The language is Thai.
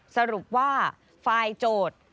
สรุปว่าฝ่ายโจทย์